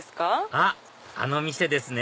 あっあの店ですね！